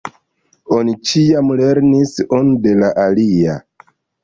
Oni ĉiam lernis unu de la alia.